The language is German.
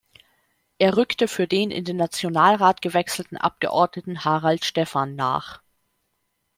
Er rückte für den in den Nationalrat gewechselten Abgeordneten Harald Stefan nach.